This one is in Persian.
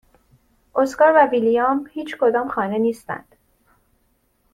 اسکار و ویلیام هیچکدام خانه نیستند.